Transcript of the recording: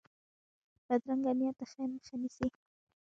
بدرنګه نیت د خیر مخه نیسي